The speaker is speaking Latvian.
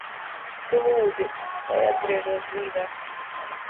Tu lūdzi, lai atgriežos dzīvē.